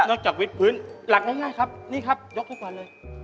จากวิทย์พื้นหลักง่ายครับนี่ครับยกทุกวันเลย